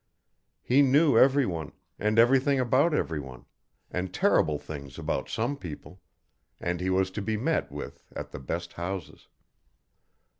He knew everyone, and everything about everyone, and terrible things about some people, and he was to be met with at the best houses.